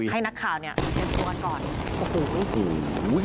ให้นักข่าวเนี่ยเต็มตัวกันก่อน